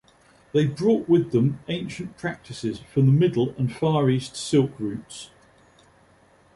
They brought with them ancient practices from the Middle and Far East silk routes.